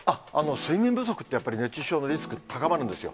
睡眠不足って、やっぱり熱中症のリスク、高まるんですよ。